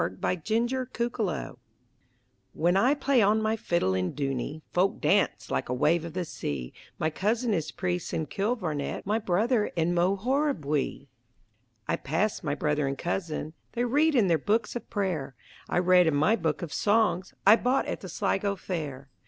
THE FIDDLER OF DOONEY When I play on my fiddle in Dooney, Folk dance like a wave of the sea; My cousin is priest in Kilvarnet, My brother in Moharabuiee. I passed my brother and cousin; They read in their books of prayer; I read in my book of songs I bought at the Sligo fair.